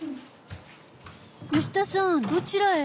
吉田さんどちらへ？